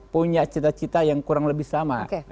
punya cita cita yang kurang lebih sama